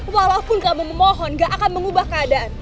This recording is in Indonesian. walaupun kamu memohon gak akan mengubah keadaan